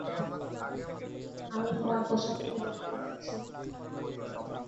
আমি তোমার পোশাক ফেরত দিচ্ছি।